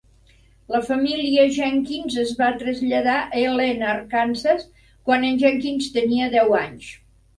La família Jenkins es va traslladar a Helena, Arkansas, quan en Jenkins tenia deu anys.